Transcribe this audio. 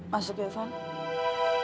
masuk ya fah